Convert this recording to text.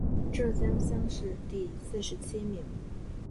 浙江乡试第四十七名。